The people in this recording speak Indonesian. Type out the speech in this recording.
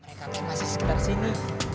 mereka kan masih sekitar sini